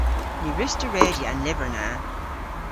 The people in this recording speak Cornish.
Ny wruss'ta redya an lyver na.